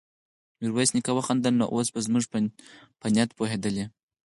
ميرويس نيکه وخندل: نو اوس به زموږ په نيت پوهېدلی يې؟